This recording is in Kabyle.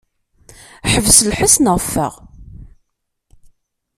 Ḥbes lḥess neɣ ffeɣ.